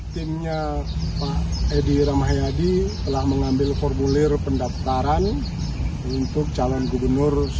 timnya pak edi rahmayadi telah mengambil formulir pendaftaran untuk calon gubernur